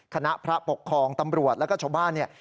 คณะพระปกครองตำรวจแล้วก็ชาวบ้านเนี่ย